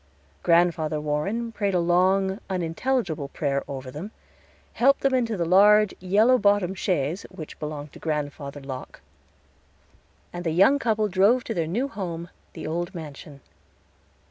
Grandfather Warren prayed a long, unintelligible prayer over them, helped them into the large, yellow bottomed chaise which belonged to Grandfather Locke, and the young couple drove to their new home, the old mansion.